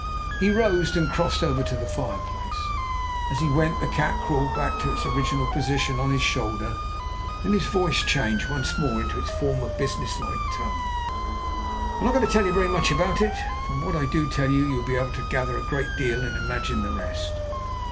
He rose, and crossed over to the fireplace. As he went the cat crawled back to its original position on his shoulder. Then his voice changed once more to its former business like tone. "I am not going to tell you very much about it. But from what I do tell you, you will be able to gather a great deal and imagine the rest.